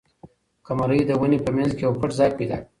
قمرۍ د ونې په منځ کې یو پټ ځای پیدا کړ.